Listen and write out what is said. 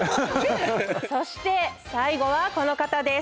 そして最後はこの方です。